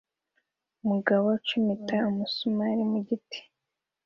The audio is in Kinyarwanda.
Umugabo ucumita umusumari mu giti